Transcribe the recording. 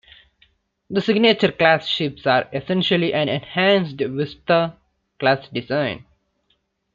The Signature class ships are essentially an enhanced Vista class design.